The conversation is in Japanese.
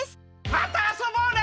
またあそぼうね！